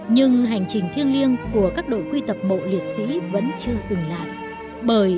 nhưng hành trình thiêng liêng của các đội quy tập mộ liệt sĩ vẫn chưa dừng lại bởi